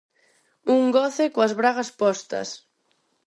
Un goce coas bragas postas.